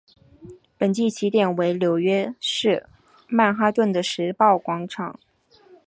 本季起点为纽约市曼哈顿的时报广场。